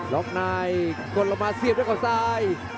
ล็อกในกดลงมาเสียบด้วยเขาซ้าย